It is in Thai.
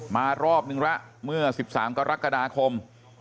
มารอบนึงแล้วเมื่อ๑๓กรกฎาคม